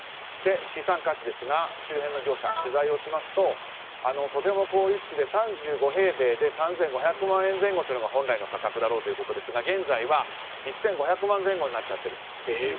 資産価値ですが周辺の業者を取材しますととても好立地で３５平米で３５００万円前後というのが本来の価格だろうということですが現在は１５００万円前後になっていると。